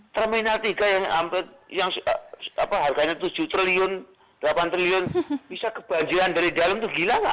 terminal tiga yang apa yang apa harganya tujuh triliun delapan triliun bisa kebanjiran dari dalam tuh gila nggak